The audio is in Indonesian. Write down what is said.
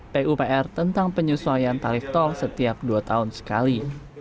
pupr tentang penyesuaian tarif tol setiap dua tahun sekali